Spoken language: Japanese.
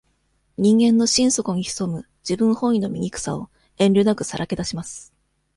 人間の心底に潜む、自分本位の醜さを、遠慮なくさらけ出します。